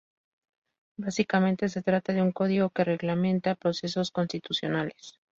Básicamente, se trata de un código que reglamenta procesos constitucionales.